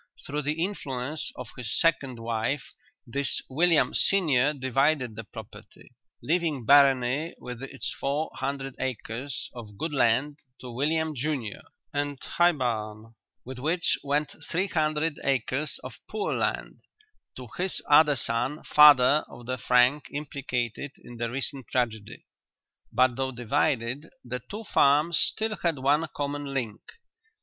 Through the influence of his second wife this William senior divided the property, leaving Barony with its four hundred acres of good land to William junior, and High Barn, with which went three hundred acres of poor land, to his other son, father of the Frank implicated in the recent tragedy. But though divided, the two farms still had one common link.